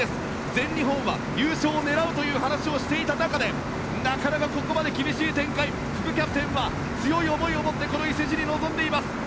全日本は優勝を狙うという話をしていた中でなかなかここまで厳しい展開副キャプテンは強い思いを持ってこの伊勢路に臨んでいます。